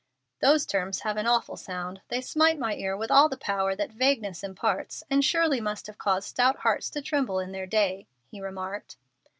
"Those terms have an awful sound. They smite my ear with all the power that vagueness imparts, and surely must have caused stout hearts to tremble in their day," he remarked.